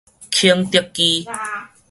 肯德基